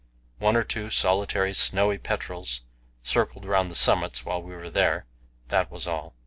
One or two solitary snowy petrels circled round the summit while we were there; that was all.